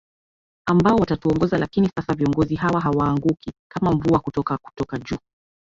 ambao watatuongoza lakini sasa viongozi hawa hawaaanguki kama mvua kutoka kutoka juu